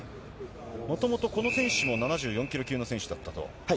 もともとこの選手も７４キロ級の選手だったと？